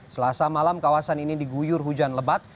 selasa malam kawasan ini diguyur hujan lebat